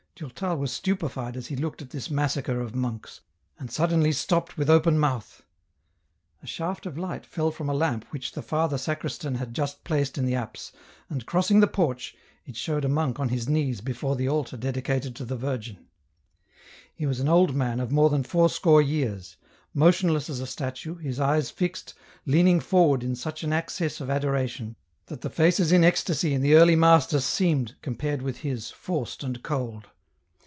Durtal was stupefied as he looked at this massacre of monks, and suddenly stopped with open mouth. A shaft of light fell from a lamp which the Father Sacristan had 'ust placed in the apse, and crossing the porch, it showed a monk on his knees before the altar dedicated to the Virgin. He was an old man of more than four score years ; motionless as a statue, his eyes fixed, leaning forward in such an access of adoration, that the faces in ecstasy in the Early Masters seemed, compared with his, forced and cold.